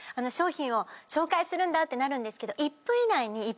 商品を紹介するんだってなるんですけど１分以内に。